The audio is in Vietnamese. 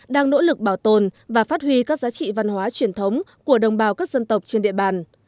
đang nỗ lực bảo tồn và phát huy các giá trị văn hóa truyền thống của đồng bào các dân tộc trên địa bàn